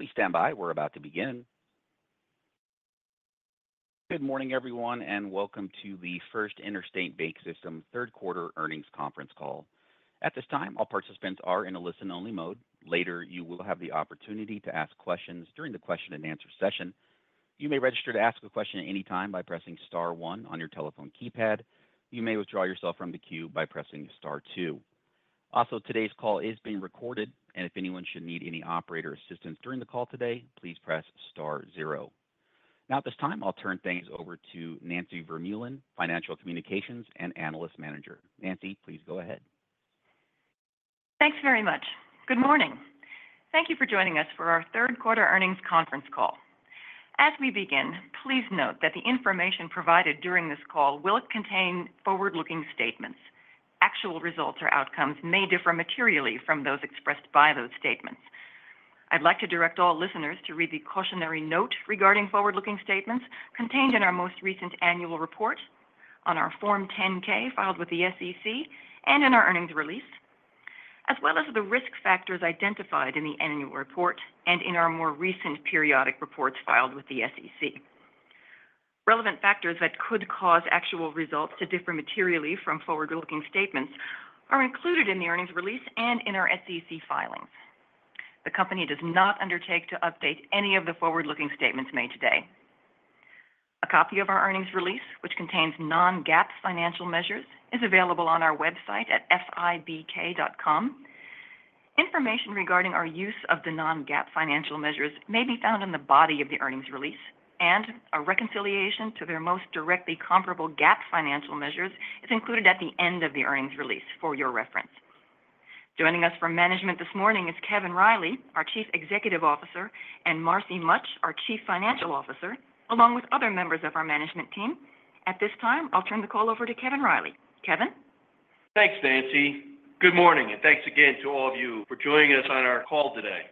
Please stand by. We're about to begin. Good morning, everyone, and welcome to the First Interstate BancSystem third quarter earnings conference call. At this time, all participants are in a listen-only mode. Later, you will have the opportunity to ask questions during the question-and-answer session. You may register to ask a question at any time by pressing star one on your telephone keypad. You may withdraw yourself from the queue by pressing star two. Also, today's call is being recorded, and if anyone should need any operator assistance during the call today, please press star zero. Now, at this time, I'll turn things over to Nancy Vermeulen, Financial Communications and Analyst Manager. Nancy, please go ahead. Thanks very much. Good morning. Thank you for joining us for our third quarter earnings conference call. As we begin, please note that the information provided during this call will contain forward-looking statements. Actual results or outcomes may differ materially from those expressed by those statements. I'd like to direct all listeners to read the cautionary note regarding forward-looking statements contained in our most recent annual report on our Form 10-K filed with the SEC and in our earnings release, as well as the risk factors identified in the annual report and in our more recent periodic reports filed with the SEC. Relevant factors that could cause actual results to differ materially from forward-looking statements are included in the earnings release and in our SEC filings. The company does not undertake to update any of the forward-looking statements made today. A copy of our earnings release, which contains non-GAAP financial measures, is available on our website at fibk.com. Information regarding our use of the non-GAAP financial measures may be found in the body of the earnings release, and a reconciliation to their most directly comparable GAAP financial measures is included at the end of the earnings release for your reference. Joining us from management this morning is Kevin Riley, our Chief Executive Officer, and Marcy Mutch, our Chief Financial Officer, along with other members of our management team. At this time, I'll turn the call over to Kevin Riley. Kevin? Thanks, Nancy. Good morning, and thanks again to all of you for joining us on our call today.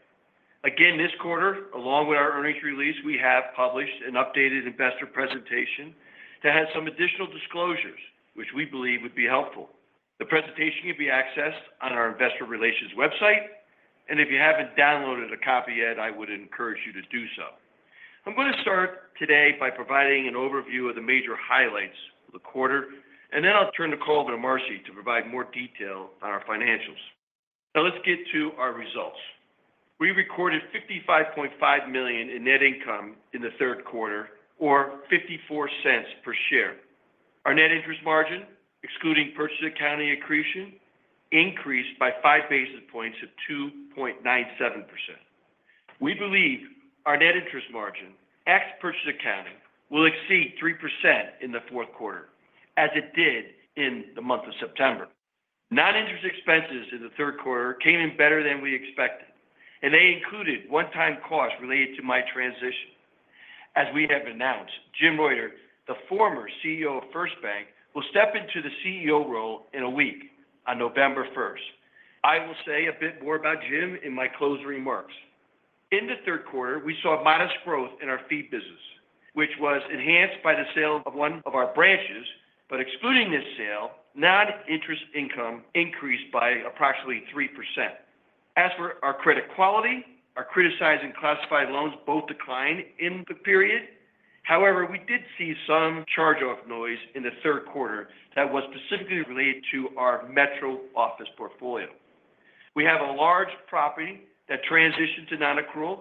Again, this quarter, along with our earnings release, we have published an updated investor presentation that has some additional disclosures which we believe would be helpful. The presentation can be accessed on our investor relations website, and if you haven't downloaded a copy yet, I would encourage you to do so. I'm going to start today by providing an overview of the major highlights of the quarter, and then I'll turn the call over to Marcy to provide more detail on our financials. Now let's get to our results. We recorded $55.5 million in net income in the third quarter, or $0.54 per share. Our net interest margin, excluding purchase accounting accretion, increased by five basis points to 2.97%. We believe our net interest margin, ex purchase accounting, will exceed 3% in the fourth quarter, as it did in the month of September. Non-interest expenses in the third quarter came in better than we expected, and they included one-time costs related to my transition. As we have announced, Jim Reuter, the former CEO of FirstBank, will step into the CEO role in a week on November first. I will say a bit more about Jim in my closing remarks. In the third quarter, we saw modest growth in our fee business, which was enhanced by the sale of one of our branches. But excluding this sale, non-interest income increased by approximately 3%. As for our credit quality, our criticized and classified loans both declined in the period. However, we did see some charge-off noise in the third quarter that was specifically related to our metro office portfolio. We have a large property that transitioned to non-accrual,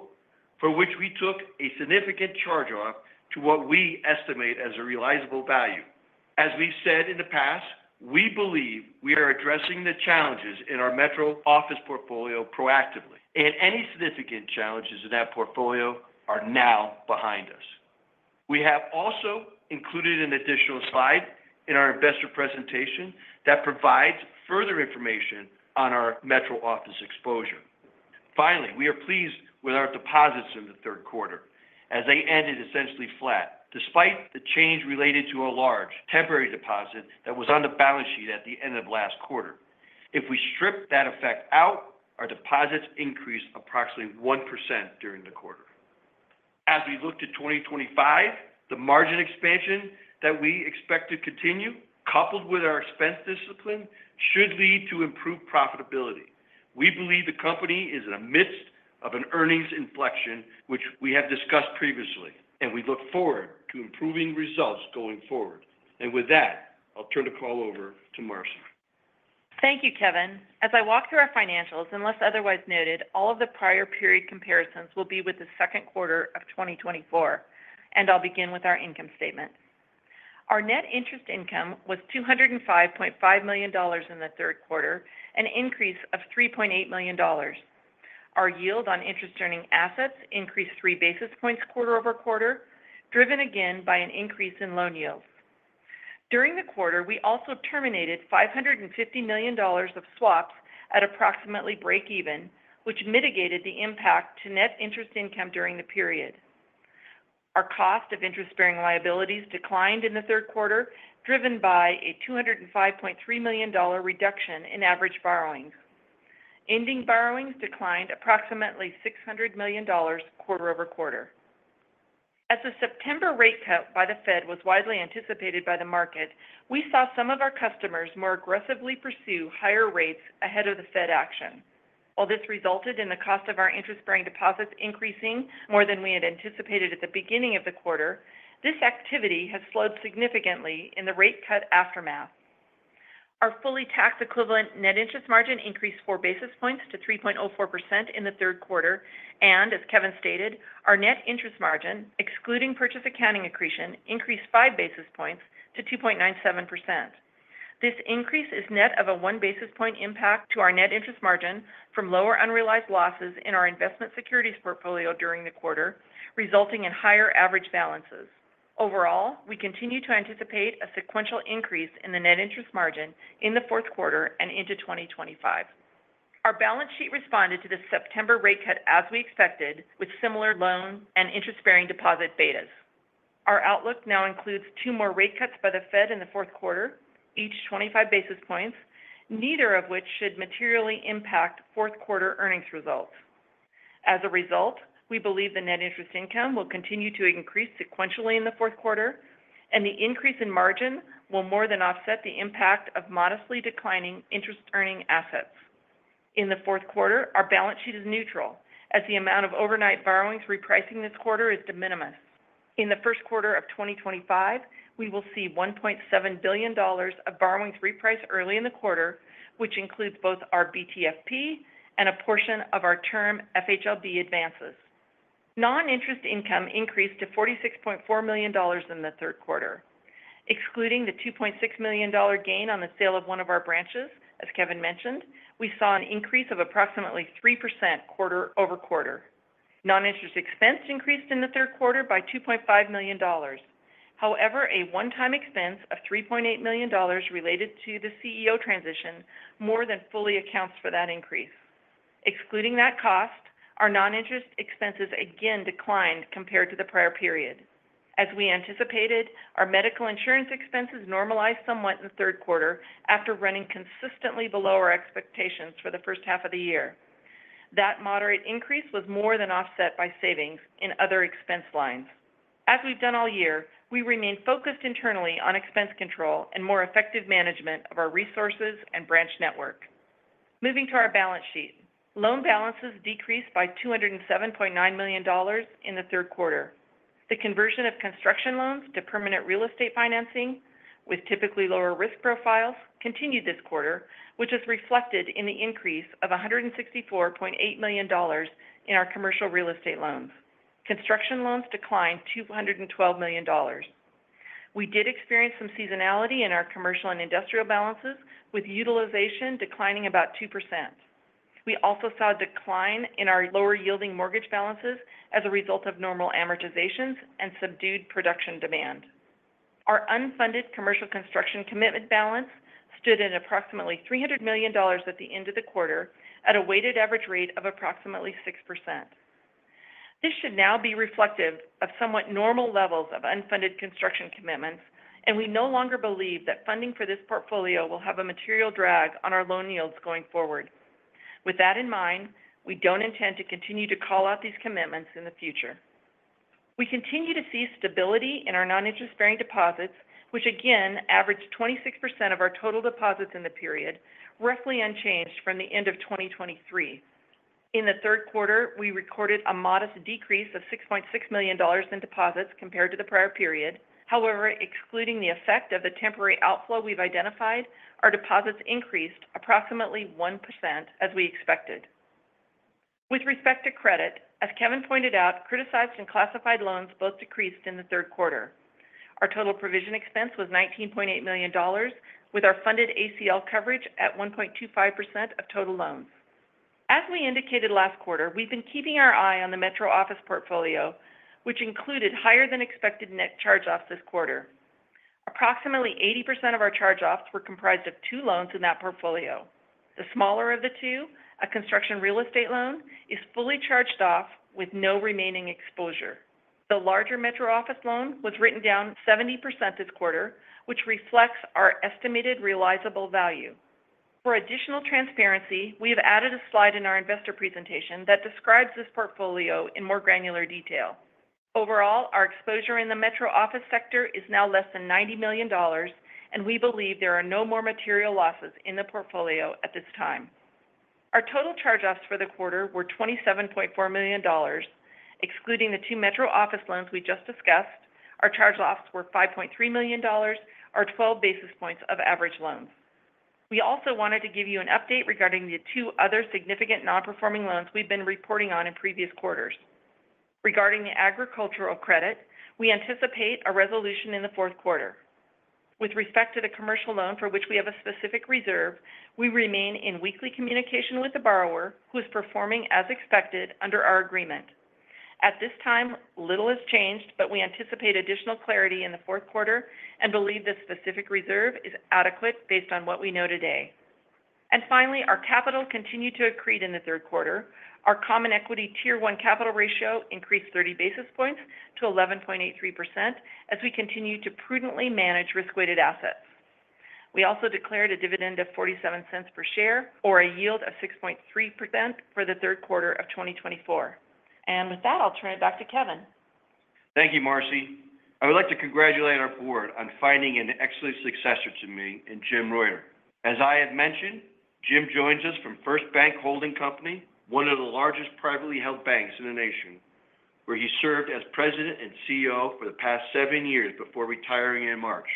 for which we took a significant charge-off to what we estimate as a realizable value. As we've said in the past, we believe we are addressing the challenges in our metro office portfolio proactively, and any significant challenges in that portfolio are now behind us. We have also included an additional slide in our investor presentation that provides further information on our metro office exposure. Finally, we are pleased with our deposits in the third quarter, as they ended essentially flat, despite the change related to a large temporary deposit that was on the balance sheet at the end of last quarter. If we strip that effect out, our deposits increased approximately 1% during the quarter. As we look to 2025, the margin expansion that we expect to continue, coupled with our expense discipline, should lead to improved profitability. We believe the company is in the midst of an earnings inflection, which we have discussed previously, and we look forward to improving results going forward. And with that, I'll turn the call over to Marcy. Thank you, Kevin. As I walk through our financials, unless otherwise noted, all of the prior period comparisons will be with the second quarter of 2024, and I'll begin with our income statement. Our net interest income was $205.5 million in the third quarter, an increase of $3.8 million. Our yield on interest-earning assets increased three basis points quarter over quarter, driven again by an increase in loan yields. During the quarter, we also terminated $550 million of swaps at approximately break even, which mitigated the impact to net interest income during the period. Our cost of interest-bearing liabilities declined in the third quarter, driven by a $205.3 million reduction in average borrowings. Ending borrowings declined approximately $600 million quarter over quarter. ...As the September rate cut by the Fed was widely anticipated by the market, we saw some of our customers more aggressively pursue higher rates ahead of the Fed action. While this resulted in the cost of our interest-bearing deposits increasing more than we had anticipated at the beginning of the quarter, this activity has slowed significantly in the rate cut aftermath. Our fully tax equivalent net interest margin increased four basis points to 3.04% in the third quarter, and as Kevin stated, our net interest margin, excluding purchase accounting accretion, increased five basis points to 2.97%. This increase is net of a one basis point impact to our net interest margin from lower unrealized losses in our investment securities portfolio during the quarter, resulting in higher average balances. Overall, we continue to anticipate a sequential increase in the net interest margin in the fourth quarter and into 2025. Our balance sheet responded to the September rate cut as we expected, with similar loan and interest-bearing deposit betas. Our outlook now includes two more rate cuts by the Fed in the fourth quarter, each 25 basis points, neither of which should materially impact fourth quarter earnings results. As a result, we believe the net interest income will continue to increase sequentially in the fourth quarter, and the increase in margin will more than offset the impact of modestly declining interest-earning assets. In the fourth quarter, our balance sheet is neutral as the amount of overnight borrowings repricing this quarter is de minimis. In the first quarter of 2025, we will see $1.7 billion of borrowings reprice early in the quarter, which includes both our BTFP and a portion of our term FHLB advances. Non-interest income increased to $46.4 million in the third quarter, excluding the $2.6 million gain on the sale of one of our branches. As Kevin mentioned, we saw an increase of approximately 3% quarter over quarter. Non-interest expense increased in the third quarter by $2.5 million. However, a one-time expense of $3.8 million related to the CEO transition more than fully accounts for that increase. Excluding that cost, our non-interest expenses again declined compared to the prior period. As we anticipated, our medical insurance expenses normalized somewhat in the third quarter after running consistently below our expectations for the first half of the year. That moderate increase was more than offset by savings in other expense lines. As we've done all year, we remain focused internally on expense control and more effective management of our resources and branch network. Moving to our balance sheet. Loan balances decreased by $207.9 million in the third quarter. The conversion of construction loans to permanent real estate financing, with typically lower risk profiles, continued this quarter, which is reflected in the increase of $164.8 million in our commercial real estate loans. Construction loans declined $212 million. We did experience some seasonality in our commercial and industrial balances, with utilization declining about 2%. We also saw a decline in our lower yielding mortgage balances as a result of normal amortizations and subdued production demand. Our unfunded commercial construction commitment balance stood at approximately $300 million at the end of the quarter at a weighted average rate of approximately 6%. This should now be reflective of somewhat normal levels of unfunded construction commitments, and we no longer believe that funding for this portfolio will have a material drag on our loan yields going forward. With that in mind, we don't intend to continue to call out these commitments in the future. We continue to see stability in our non-interest bearing deposits, which again averaged 26% of our total deposits in the period, roughly unchanged from the end of 2023. In the third quarter, we recorded a modest decrease of $6.6 million in deposits compared to the prior period. However, excluding the effect of the temporary outflow we've identified, our deposits increased approximately 1%, as we expected. With respect to credit, as Kevin pointed out, criticized and classified loans both decreased in the third quarter. Our total provision expense was $19.8 million, with our funded ACL coverage at 1.25% of total loans. As we indicated last quarter, we've been keeping our eye on the metro office portfolio, which included higher than expected net charge-offs this quarter. Approximately 80% of our charge-offs were comprised of two loans in that portfolio. The smaller of the two, a construction real estate loan, is fully charged off with no remaining exposure. The larger metro office loan was written down 70% this quarter, which reflects our estimated realizable value. For additional transparency, we have added a slide in our investor presentation that describes this portfolio in more granular detail. Overall, our exposure in the metro office sector is now less than $90 million, and we believe there are no more material losses in the portfolio at this time. Our total charge-offs for the quarter were $27.4 million. Excluding the two metro office loans we just discussed, our charge-offs were $5.3 million, or 12 basis points of average loans. We also wanted to give you an update regarding the two other significant non-performing loans we've been reporting on in previous quarters. Regarding the agricultural credit, we anticipate a resolution in the fourth quarter. With respect to the commercial loan for which we have a specific reserve, we remain in weekly communication with the borrower, who is performing as expected under our agreement. At this time, little has changed, but we anticipate additional clarity in the fourth quarter and believe this specific reserve is adequate based on what we know today. And finally, our capital continued to accrete in the third quarter. Our Common Equity Tier 1 capital ratio increased 30 basis points to 11.83% as we continue to prudently manage risk-weighted assets. We also declared a dividend of $0.47 per share, or a yield of 6.3% for the third quarter of 2024. And with that, I'll turn it back to Kevin. Thank you, Marcy. I would like to congratulate our board on finding an excellent successor to me in Jim Reuter. As I had mentioned, Jim joins us from FirstBank Holding Company, one of the largest privately held banks in the nation, where he served as President and CEO for the past seven years before retiring in March.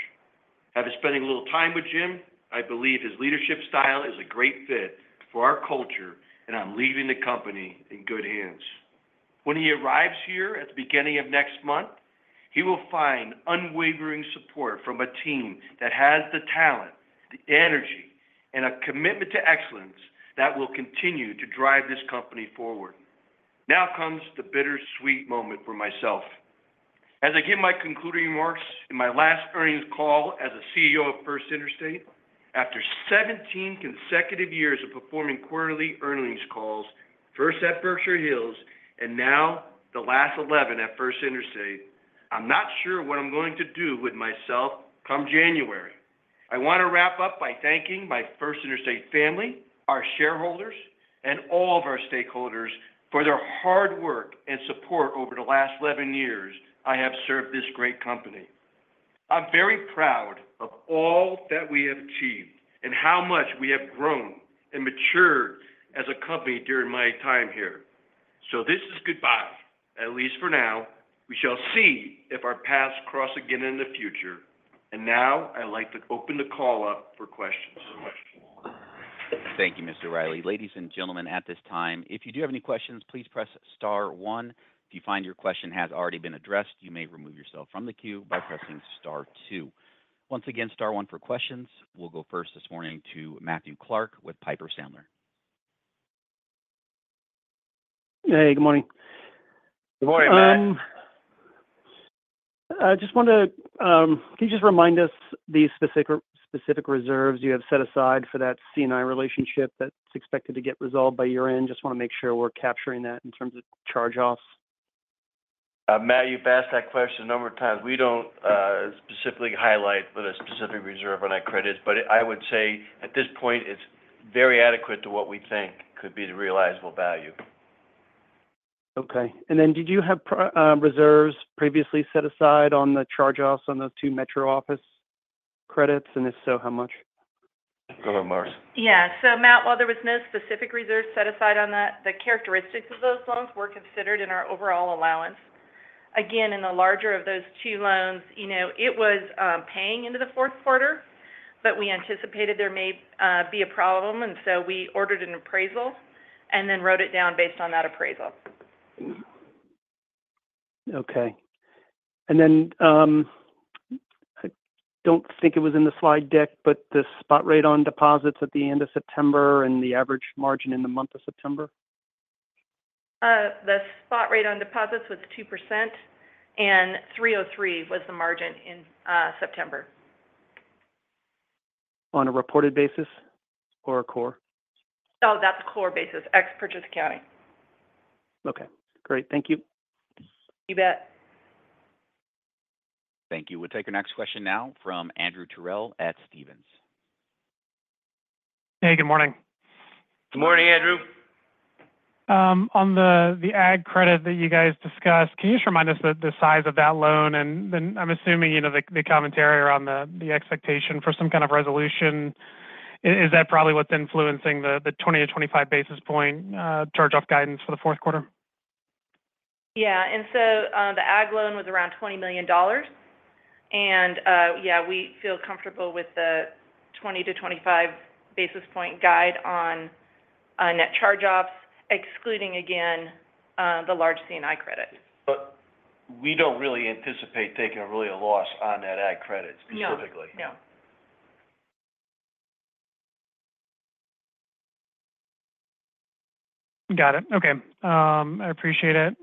After spending a little time with Jim, I believe his leadership style is a great fit for our culture, and I'm leaving the company in good hands. When he arrives here at the beginning of next month, he will find unwavering support from a team that has the talent, the energy, and a commitment to excellence that will continue to drive this company forward. Now comes the bittersweet moment for myself. As I give my concluding remarks in my last earnings call as the CEO of First Interstate, after 17 consecutive years of performing quarterly earnings calls, first at Berkshire Hills and now the last 11 at First Interstate, I'm not sure what I'm going to do with myself come January. I want to wrap up by thanking my First Interstate family, our shareholders, and all of our stakeholders for their hard work and support over the last 11 years I have served this great company. I'm very proud of all that we have achieved and how much we have grown and matured as a company during my time here. So this is goodbye, at least for now. We shall see if our paths cross again in the future. And now I'd like to open the call up for questions. Thank you, Mr. Riley. Ladies and gentlemen, at this time, if you do have any questions, please press star one. If you find your question has already been addressed, you may remove yourself from the queue by pressing star two. Once again, star one for questions. We'll go first this morning to Matthew Clark with Piper Sandler. Hey, good morning. Good morning, Matt. I just wanted to. Can you just remind us the specific reserves you have set aside for that C&I relationship that's expected to get resolved by year-end? Just want to make sure we're capturing that in terms of charge-offs. Matt, you've asked that question a number of times. We don't specifically highlight with a specific reserve on that credit, but I would say at this point, it's very adequate to what we think could be the realizable value. Okay. And then did you have reserves previously set aside on the charge-offs on those two metro office credits? And if so, how much? Go ahead, Marcy. Yeah, so Matt, while there was no specific reserve set aside on that, the characteristics of those loans were considered in our overall allowance. Again, in the larger of those two loans, you know, it was paying into the fourth quarter, but we anticipated there may be a problem, and so we ordered an appraisal and then wrote it down based on that appraisal. Okay. Then, I don't think it was in the slide deck, but the spot rate on deposits at the end of September and the average margin in the month of September? The spot rate on deposits was 2%, and 303 was the margin in September. On a reported basis or a core? Oh, that's core basis, ex purchase accounting. Okay, great. Thank you. You bet. Thank you. We'll take our next question now from Andrew Terrell at Stephens. Hey, good morning. Good morning, Andrew. On the ag credit that you guys discussed, can you just remind us the size of that loan? And then I'm assuming, you know, the commentary around the expectation for some kind of resolution, is that probably what's influencing the 20 to 25 basis point charge-off guidance for the fourth quarter? Yeah. And so, the ag loan was around $20 million. And, yeah, we feel comfortable with the 20-25 basis points guide on net charge-offs, excluding, again, the large C&I credit. But we don't really anticipate taking a loss on that ag credit specifically. No. No. Got it. Okay. I appreciate it,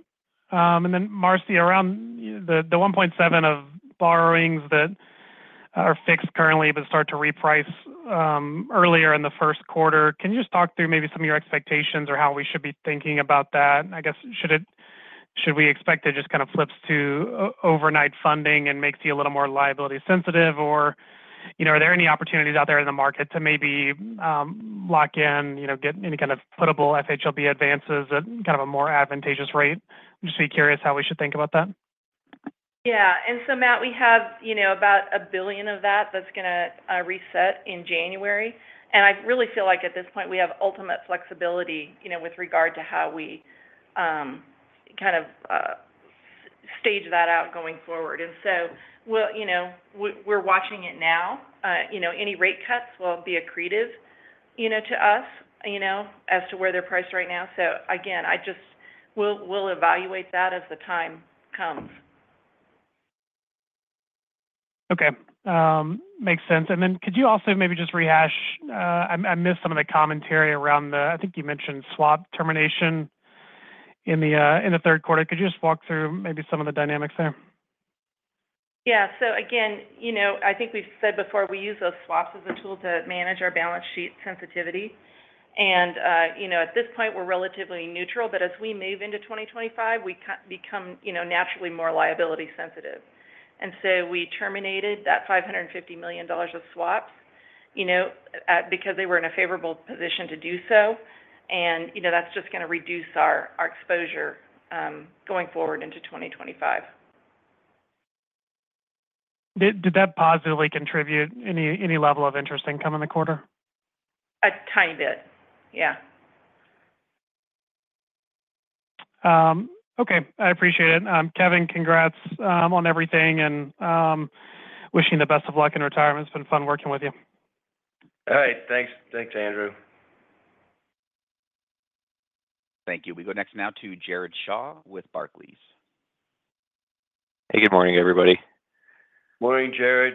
and then Marcy, around the one point seven of borrowings that are fixed currently, but start to reprice earlier in the first quarter, can you just talk through maybe some of your expectations or how we should be thinking about that? I guess, should we expect it just kind of flips to overnight funding and makes you a little more liability sensitive? Or, you know, are there any opportunities out there in the market to maybe lock in, you know, get any kind of puttable FHLB advances at kind of a more advantageous rate? Just be curious how we should think about that? Yeah. And so, Matt, we have, you know, about $1 billion of that that's gonna reset in January. And I really feel like at this point, we have ultimate flexibility, you know, with regard to how we kind of stage that out going forward. And so, you know, we're watching it now. Any rate cuts will be accretive, you know, to us, you know, as to where they're priced right now. So again, I just, we'll evaluate that as the time comes. Okay. Makes sense. And then could you also maybe just rehash? I missed some of the commentary around the. I think you mentioned swap termination in the third quarter. Could you just walk through maybe some of the dynamics there? Yeah. So again, you know, I think we've said before, we use those swaps as a tool to manage our balance sheet sensitivity. And, you know, at this point, we're relatively neutral, but as we move into 2025, we become, you know, naturally more liability sensitive. And so we terminated that $550 million of swaps, you know, because they were in a favorable position to do so. And, you know, that's just gonna reduce our exposure, going forward into 2025. Did that positively contribute any level of interest income in the quarter? A tiny bit. Yeah. Okay. I appreciate it. Kevin, congrats on everything, and wishing the best of luck in retirement. It's been fun working with you. All right. Thanks. Thanks, Andrew. Thank you. We go next now to Jared Shaw with Barclays. Hey, good morning, everybody. Morning, Jared.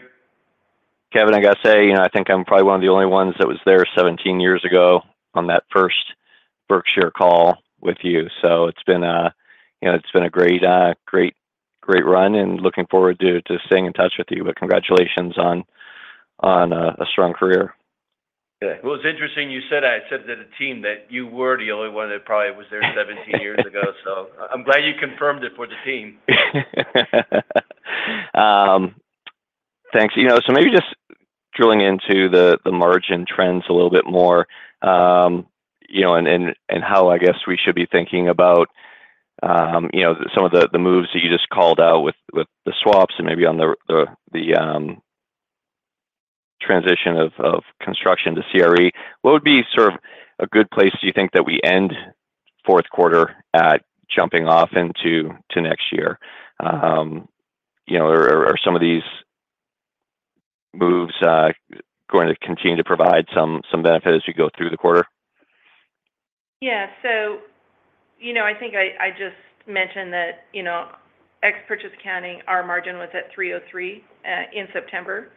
Kevin, I gotta say, you know, I think I'm probably one of the only ones that was there seventeen years ago on that first Berkshire call with you. So it's been, you know, it's been a great, great run, and looking forward to staying in touch with you. But congratulations on a strong career. Yeah. Well, it's interesting you said that. I said to the team that you were the only one that probably was there 17 years ago. So I'm glad you confirmed it for the team. Thanks. You know, so maybe just drilling into the margin trends a little bit more, you know, and how, I guess, we should be thinking about, you know, some of the moves that you just called out with the swaps and maybe on the transition of construction to CRE. What would be sort of a good place, do you think, that we end fourth quarter at jumping off into next year? You know, are some of these moves going to continue to provide some benefit as you go through the quarter? Yeah. So, you know, I think I just mentioned that, you know, ex purchase accounting, our margin was at 303 in September.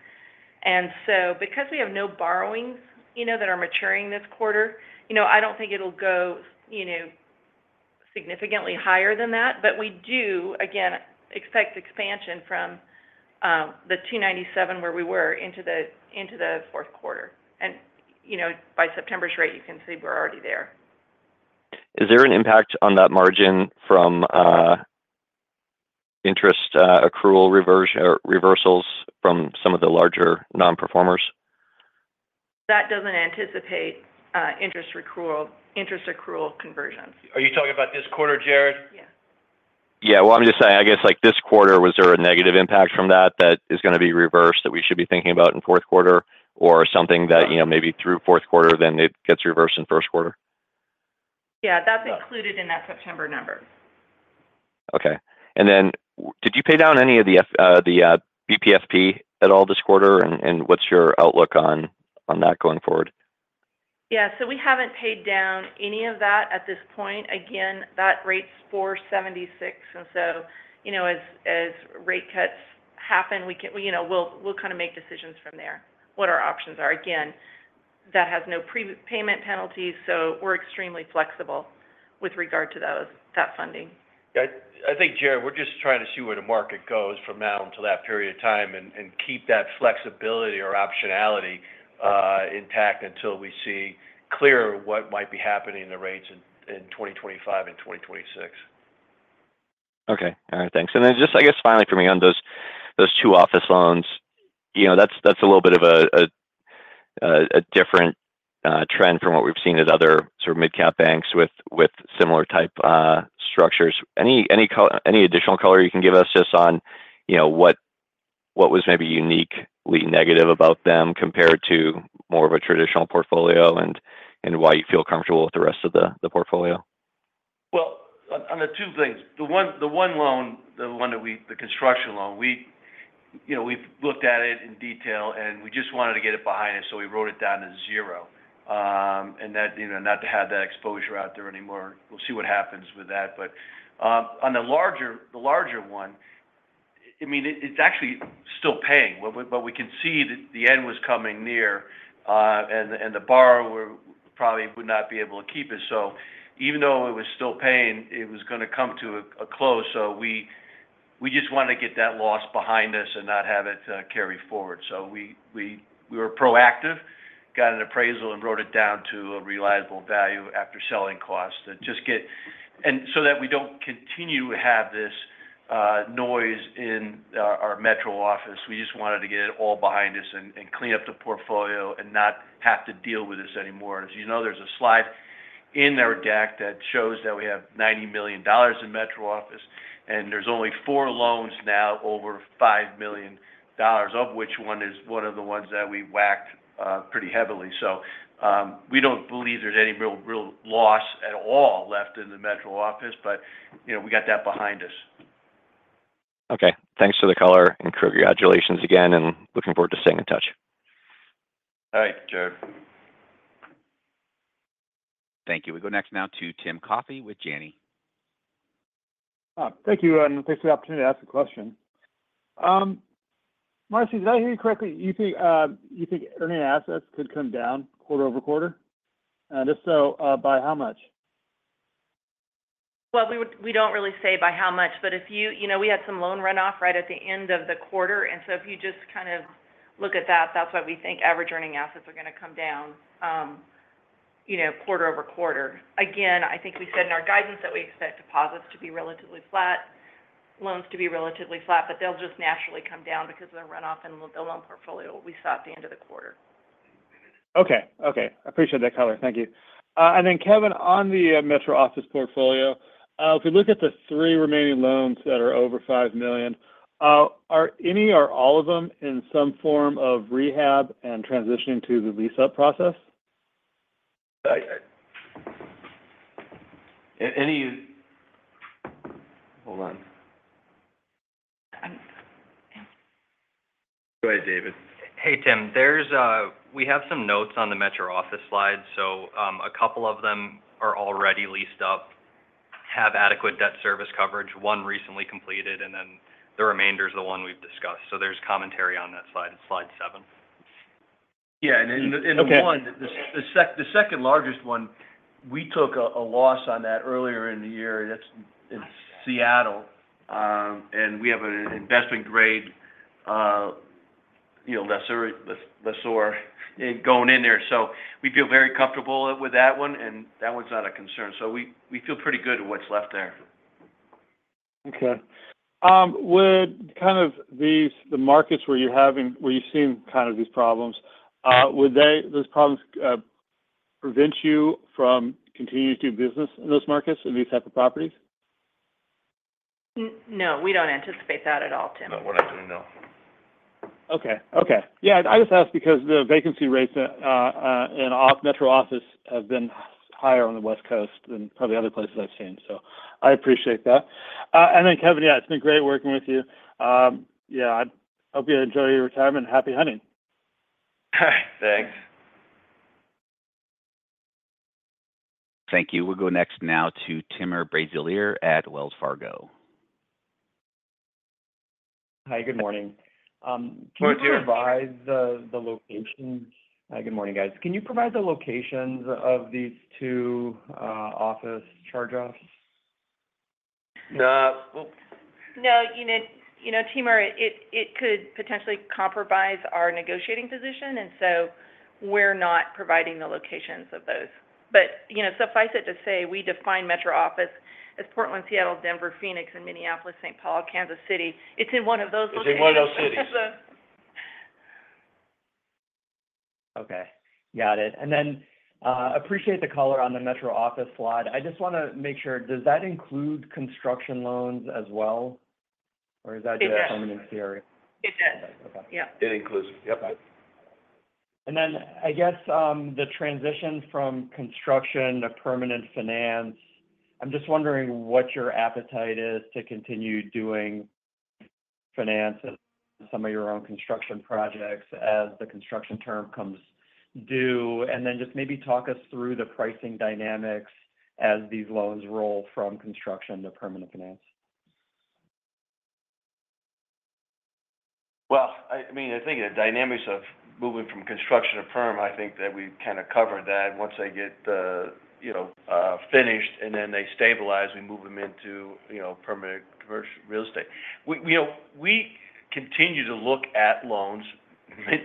And so because we have no borrowings, you know, that are maturing this quarter, you know, I don't think it'll go, you know, significantly higher than that. But we do, again, expect expansion from the 297, where we were, into the fourth quarter. And, you know, by September's rate, you can see we're already there. Is there an impact on that margin from interest accrual reversals from some of the larger non-performers? That doesn't anticipate interest accrual conversions. Are you talking about this quarter, Jared? Yeah. Yeah. Well, I'm just saying, I guess, like, this quarter, was there a negative impact from that that is gonna be reversed, that we should be thinking about in fourth quarter, or something that, you know, maybe through fourth quarter, then it gets reversed in first quarter? Yeah, that's included in that September number. Okay. And then did you pay down any of the BTFP at all this quarter, and what's your outlook on that going forward? Yeah. So we haven't paid down any of that at this point. Again, that rate's 4.76, and so, you know, as rate cuts happen, we can you know we'll kind of make decisions from there, what our options are. Again, that has no prepayment penalties, so we're extremely flexible with regard to those, that funding. Yeah. I think, Jared, we're just trying to see where the market goes from now until that period of time and keep that flexibility or optionality intact until we see clearer what might be happening in the rates in 2025 and 2026. Okay. All right. Thanks. And then just, I guess, finally for me on those two office loans, you know, that's a little bit of a different trend from what we've seen at other sort of midcap banks with similar type structures. Any additional color you can give us just on, you know, what was maybe uniquely negative about them compared to more of a traditional portfolio and why you feel comfortable with the rest of the portfolio? Well, on the two things, the one loan, the one that we the construction loan, you know, we've looked at it in detail, and we just wanted to get it behind us, so we wrote it down to zero, and that, you know, not to have that exposure out there anymore. We'll see what happens with that. But on the larger one, I mean, it's actually still paying, but we can see the end was coming near, and the borrower probably would not be able to keep it. So even though it was still paying, it was gonna come to a close. So we just want to get that loss behind us and not have it carry forward. We were proactive, got an appraisal, and wrote it down to a realizable value after selling costs to just get... And so that we don't continue to have this noise in our metro office. We just wanted to get it all behind us and clean up the portfolio and not have to deal with this anymore. As you know, there's a slide in our deck that shows that we have $90 million in metro office, and there's only 4 loans now, over $5 million, of which one of the ones that we whacked pretty heavily. We don't believe there's any real loss at all left in the metro office, but, you know, we got that behind us. Okay. Thanks for the color and congratulations again, and looking forward to staying in touch. All right, Jared. Thank you. We go next now to Tim Coffey with Janney. Thank you, and thanks for the opportunity to ask a question. Marcy, did I hear you correctly? You think earning assets could come down quarter over quarter? If so, by how much? We don't really say by how much, but if you, you know, we had some loan runoff right at the end of the quarter, and so if you just kind of look at that, that's why we think average earning assets are gonna come down, you know, quarter over quarter. Again, I think we said in our guidance that we expect deposits to be relatively flat, loans to be relatively flat, but they'll just naturally come down because of the runoff in the loan portfolio we saw at the end of the quarter. Okay. Okay. I appreciate that color. Thank you. And then, Kevin, on the metro office portfolio, if we look at the three remaining loans that are over $5 million, are any or all of them in some form of rehab and transitioning to the lease-up process? Hold on. Go ahead, David. Hey, Tim. We have some notes on the metro office slide. So, a couple of them are already leased up, have adequate debt service coverage, one recently completed, and then the remainder is the one we've discussed. So there's commentary on that slide. It's slide seven. Yeah, and in the- Okay... in the one, the second largest one, we took a loss on that earlier in the year. That's in Seattle. And we have an investment grade, you know, lessor going in there. So we feel very comfortable with that one, and that one's not a concern. So we feel pretty good with what's left there. Okay. Would kind of these, the markets where you've seen kind of these problems, would they, those problems, prevent you from continuing to do business in those markets, in these type of properties? No, we don't anticipate that at all, Tim. No, we're not doing, no. Okay. Okay. Yeah, I just asked because the vacancy rates in off-metro office have been higher on the West Coast than probably other places I've seen, so I appreciate that. And then, Kevin, yeah, it's been great working with you. Yeah, I hope you enjoy your retirement. Happy hunting. Thanks. Thank you. We'll go next now to Timur Braziler at Wells Fargo. Hi, good morning. Good morning to you. Can you provide the location - Hi, good morning, guys. Can you provide the locations of these two office charge-offs? The, well- No, you know, Timur, it could potentially compromise our negotiating position, and so we're not providing the locations of those. But, you know, suffice it to say, we define metro office as Portland, Seattle, Denver, Phoenix, and Minneapolis, St. Paul, Kansas City. It's in one of those locations. It's in one of those cities. Okay. Got it, and then appreciate the color on the metro office slide. I just wanna make sure, does that include construction loans as well, or is that- It does... just permanent CRE? It does. Okay. Yeah. It includes, yep. Okay. And then, I guess, the transition from construction to permanent finance, I'm just wondering what your appetite is to continue doing finance and some of your own construction projects as the construction term comes due. And then just maybe talk us through the pricing dynamics as these loans roll from construction to permanent finance. I mean, I think the dynamics of moving from construction to perm, I think that we've kind of covered that. Once they get, you know, finished and then they stabilize, we move them into, you know, permanent commercial real estate. We, you know, we continue to look at loans,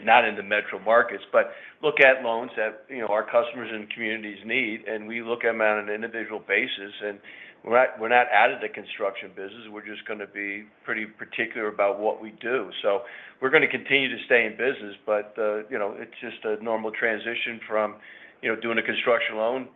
not in the metro markets, but look at loans that, you know, our customers and communities need, and we look at them on an individual basis. And we're not, we're not out of the construction business. We're just gonna be pretty particular about what we do. So we're gonna continue to stay in business, but, you know, it's just a normal transition from, you know, doing a construction loan,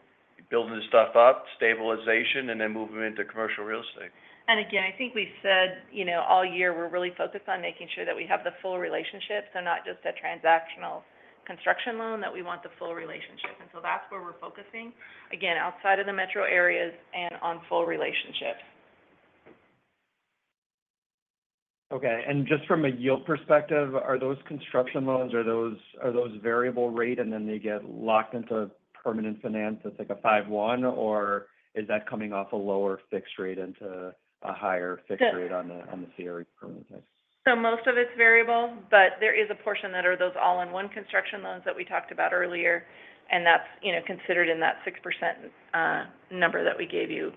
building the stuff up, stabilization, and then moving into commercial real estate. And again, I think we said, you know, all year, we're really focused on making sure that we have the full relationship. So not just a transactional construction loan, that we want the full relationship, and so that's where we're focusing. Again, outside of the metro areas and on full relationships. Okay. And just from a yield perspective, are those construction loans variable rate, and then they get locked into permanent finance, that's like a five one, or is that coming off a lower fixed rate into a higher fixed rate? Yeah... on the CRE permanent rate? So most of it's variable, but there is a portion that are those all-in-one construction loans that we talked about earlier, and that's, you know, considered in that 6% number that we gave you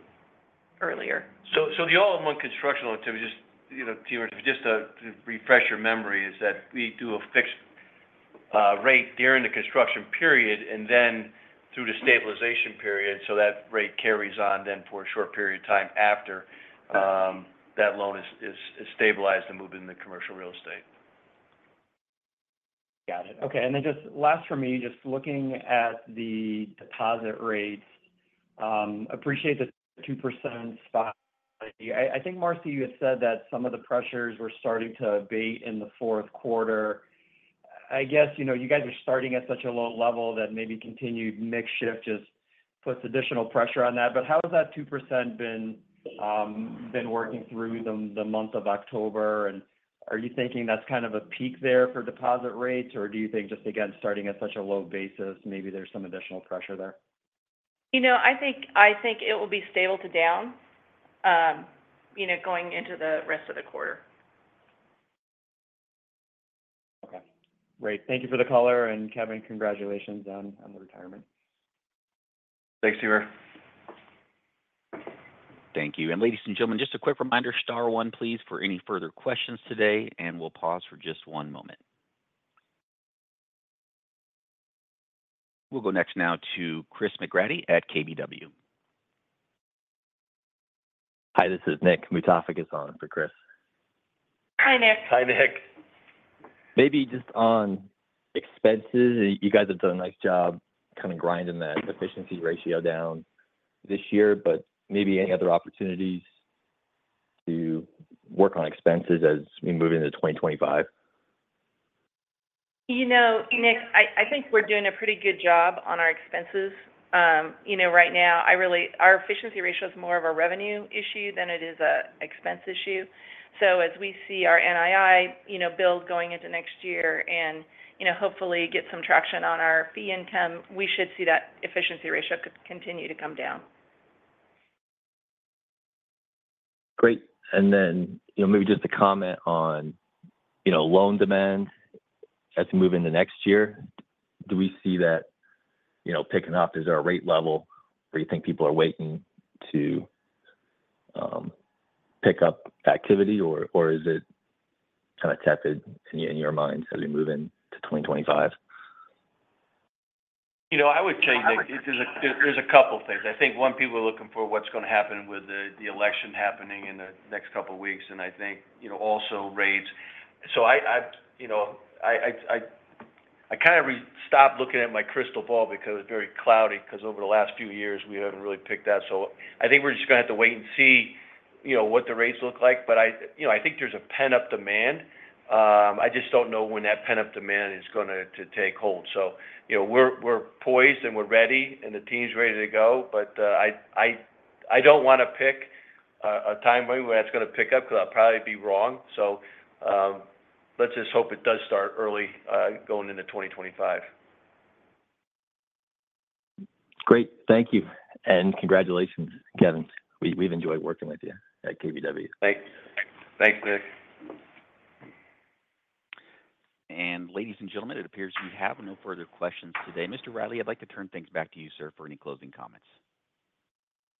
earlier. The all-in-one construction loan, Timur, just, you know, Timur, just to refresh your memory, is that we do a fixed rate during the construction period and then through the stabilization period, so that rate carries on then for a short period of time after. Got it... that loan is stabilized and moved into commercial real estate. Got it. Okay. And then just last for me, just looking at the deposit rates, appreciate the 2% spot. I think, Marcy, you had said that some of the pressures were starting to abate in the fourth quarter. I guess, you know, you guys are starting at such a low level that maybe continued mix shift just puts additional pressure on that. But how has that 2% been working through the month of October? And are you thinking that's kind of a peak there for deposit rates, or do you think just again, starting at such a low basis, maybe there's some additional pressure there? You know, I think it will be stable to down, you know, going into the rest of the quarter.... Great. Thank you for the call, and Kevin, congratulations on the retirement. Thanks, Hubert. Thank you. And ladies and gentlemen, just a quick reminder, star one, please, for any further questions today, and we'll pause for just one moment. We'll go next now to Chris McGratty at KBW. Hi, this is Nick Matafekis on for Chris. Hi, Nick. Hi, Nick. Maybe just on expenses, you guys have done a nice job kind of grinding that efficiency ratio down this year, but maybe any other opportunities to work on expenses as we move into 2025? You know, Nick, I think we're doing a pretty good job on our expenses. You know, right now, our efficiency ratio is more of a revenue issue than it is a expense issue. So as we see our NII, you know, build going into next year and, you know, hopefully get some traction on our fee income, we should see that efficiency ratio continue to come down. Great. And then, you know, maybe just a comment on, you know, loan demand as we move into next year. Do we see that, you know, picking up? Is there a rate level where you think people are waiting to pick up activity, or is it kind of tepid in your mind as we move into 2025? You know, I would say, Nick, there's a couple things. I think one, people are looking for what's going to happen with the election happening in the next couple weeks, and I think, you know, also rates. So I kind of stopped looking at my crystal ball because it's very cloudy, 'cause over the last few years, we haven't really picked that. So I think we're just gonna have to wait and see, you know, what the rates look like. But I, you know, I think there's a pent-up demand. I just don't know when that pent-up demand is gonna take hold. So, you know, we're poised, and we're ready, and the team's ready to go, but I don't want to pick a time when that's gonna pick up, 'cause I'll probably be wrong. So, let's just hope it does start early, going into 2025. Great. Thank you, and congratulations, Kevin. We've enjoyed working with you at KBW. Thanks. Thanks, Nick. Ladies and gentlemen, it appears we have no further questions today. Mr. Riley, I'd like to turn things back to you, sir, for any closing comments.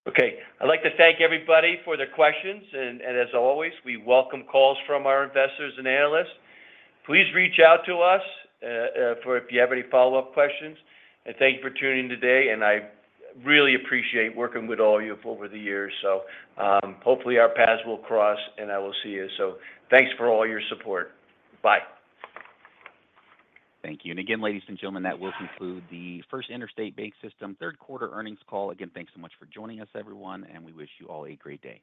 Okay. I'd like to thank everybody for their questions, and as always, we welcome calls from our investors and analysts. Please reach out to us or if you have any follow-up questions, and thank you for tuning in today, and I really appreciate working with all of you over the years, so hopefully, our paths will cross, and I will see you, so thanks for all your support. Bye. Thank you. And again, ladies and gentlemen, that will conclude the First Interstate BancSystem third quarter earnings call. Again, thanks so much for joining us, everyone, and we wish you all a great day.